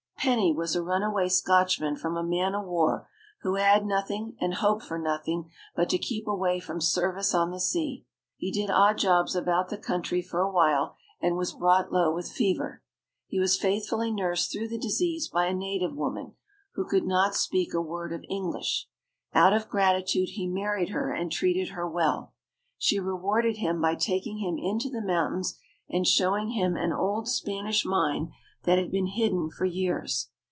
Penny was a run away Scotchman from a man o' war who had nothing and hoped for nothing but to keep away from service on the sea. He did odd jobs about the country for awhile and was brought low with fever. He was faithfully nursed through the disease by a native woman who could not speak a word of English. Out of gratitude he married her and treated her well. She rewarded him by taking him into the mountains and showing him an old Spanish mine that had been hidden for years.